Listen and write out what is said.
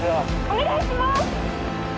☎お願いします！